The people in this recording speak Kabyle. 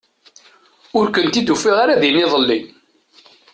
Ur kent-id-ufiɣ ara din iḍelli.